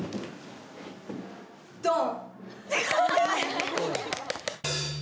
ドン！